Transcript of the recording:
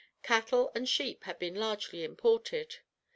Cattle and sheep had been largely imported.